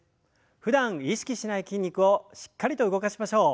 ふだん意識しない筋肉をしっかりと動かしましょう。